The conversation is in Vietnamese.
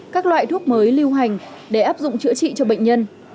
các loại thuốc mới lưu hành để áp dụng chữa trị cho bệnh nhân